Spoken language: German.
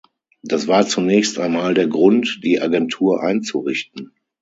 Das war zunächst einmal der Grund, die Agentur einzurichten.